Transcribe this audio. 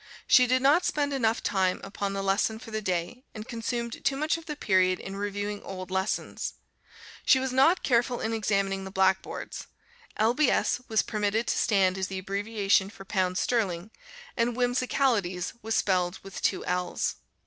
She did not spend enough time upon the lesson for the day, and consumed too much of the period in reviewing old lessons. She was not careful in examining the blackboards. Lbs. was permitted to stand as the abbreviation for pounds sterling, and whimsicalities was spelled with two l's.